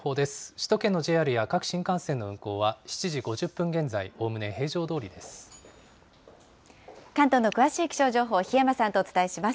首都圏のＪＲや各新幹線の運行は、７時５０分現在、おおむね平常どおりです。